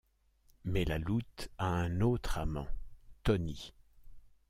Mais La Loute a un autre amant, Tony...